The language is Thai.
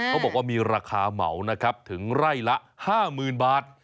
เขาบอกว่ามีราคาเหมานะครับถึงไร่ละ๕๐๐๐บาท